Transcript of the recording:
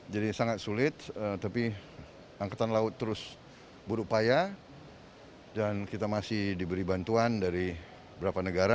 jadi sangat sulit tapi angketan laut terus berupaya dan kita masih diberi bantuan dari beberapa negara